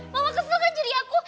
mama kesel kan jadi aku